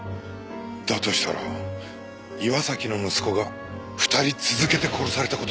だとしたら岩崎の息子が２人続けて殺された事になる。